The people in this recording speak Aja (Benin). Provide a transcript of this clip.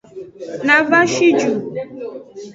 Na va shi ju.